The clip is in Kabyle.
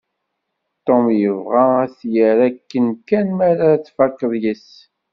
Tom yebɣa ad t-yerr akken kan mi ara tfakkeḍ yess.